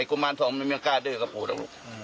ไอ้กุมารทรงมันไม่มีกล้าเด้อกับปูด้วยลูก